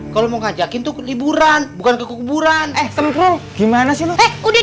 kalau mau ngajakin tuh liburan bukan kekuburan eh tengkrong gimana sih eh udah